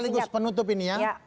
sekaligus penutup ini ya